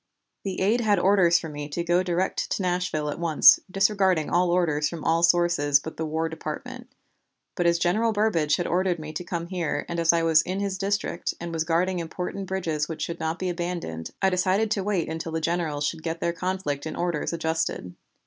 The aide had orders for me to go direct to Nashville at once, disregarding all orders from all sources but the War Department; but as General Burbridge had ordered me to come here, and as I was in his district, and was guarding important bridges which should not be abandoned, I decided to wait until the generals should get their conflict in orders adjusted.